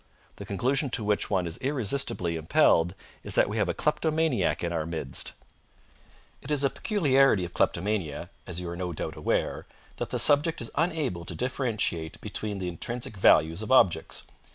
The conclusion to which one is irresistibly impelled is that we have a kleptomaniac in our midst. It is a peculiarity of kleptomania, as you are no doubt aware, that the subject is unable to differentiate between the intrinsic values of objects.